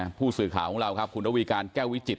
ก็ได้รู้สึกว่ามันกลายเป้าหมายและมันกลายเป้าหมาย